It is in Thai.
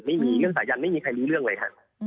ไม่มีเรื่องสายันไม่มีใครรู้เรื่องเลยค่ะ